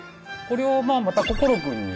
これをまあまた心君に。